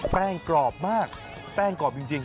กรอบมากแป้งกรอบจริง